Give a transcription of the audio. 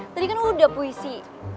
tadi kan udah puisi